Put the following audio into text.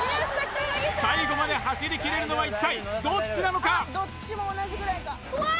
最後まで走りきれるのは一体どっちなのか？